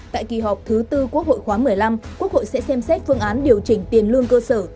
tại kỳ họp thứ tư quốc hội khóa một mươi năm quốc hội sẽ xem xét phương án điều chỉnh tiền lương cơ sở